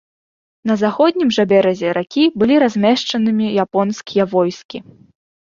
На заходнім жа беразе ракі былі размешчанымі японскія войскі.